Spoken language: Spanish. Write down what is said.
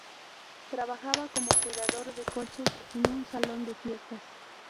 Trabajaba como cuidador de coches en un salón de fiestas.